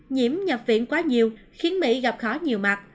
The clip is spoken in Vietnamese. nhiễm nhập viện quá nhiều khiến mỹ gặp khó nhiều mặt